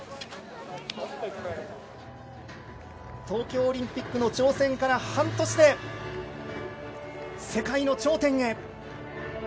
東京オリンピックの挑戦から半年で世界の頂点へ。